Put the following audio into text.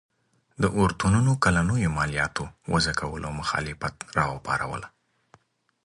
د اورتونونو کلنیو مالیاتو وضعه کولو مخالفت راوپاروله.